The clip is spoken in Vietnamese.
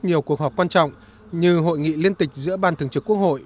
nhiều cuộc họp quan trọng như hội nghị liên tịch giữa ban thường trực quốc hội